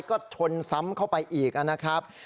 ก็ชนซ้ำเข้าไปอีกนะครับ